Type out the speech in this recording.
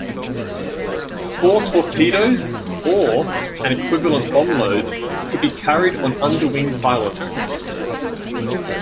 Four torpedoes or an equivalent bomb load could be carried on underwing pylons.